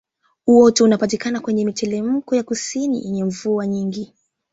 Uoto unapatikana kwenye mitelemko ya kusini yenye mvua nyingi